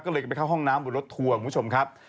ก็เลยไปเข้าห้องน้ำบนรถทัวร์คุณผู้ชมครับ